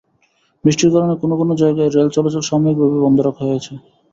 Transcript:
বৃষ্টির কারণে কোনো কোনো জায়গায় রেল চলাচল সাময়িকভাবে বন্ধ রাখা হয়েছে।